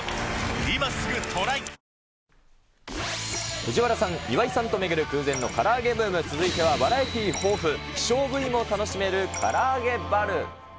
藤原さん、岩井さんと巡る空前のから揚げブーム、続いてはバラエティー豊富、希少部位も楽しめるから揚げバル。